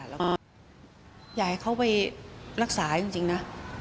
อยากให้เขาไปรักษาจริงนะ